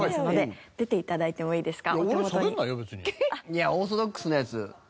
いやオーソドックスなやつ。